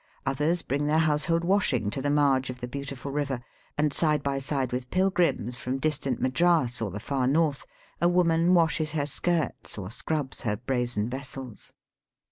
Others bring their household washing to the marge of the beauti ful river, and side by side with pilgrims from distant Madras or the far north a woman washes her skirts or scrubs her brazen vessels.